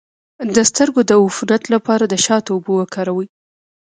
د سترګو د عفونت لپاره د شاتو اوبه وکاروئ